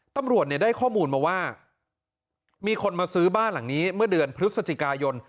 ตำรวจได้ข้อมูลมาว่ามีคนมาซื้อบ้านหลังนี้เมื่อเดือนพฤศจิกายน